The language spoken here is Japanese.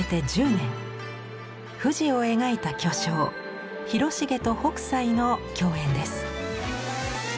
富士を描いた巨匠広重と北斎の共演です。